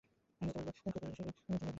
Co-pilot হিসেবে তিনি প্রথম বিমান চালনা করেন।